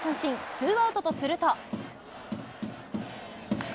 ツーアウトとすると。